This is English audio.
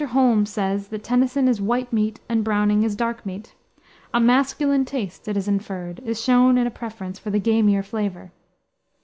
Holmes says that Tennyson is white meat and Browning is dark meat. A masculine taste, it is inferred, is shown in a preference for the gamier flavor.